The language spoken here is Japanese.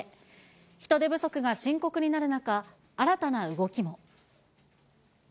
人手不足が深刻になる中、新たな動きも。